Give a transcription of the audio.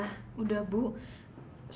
aku sudah berhubungan dengan mbak nadia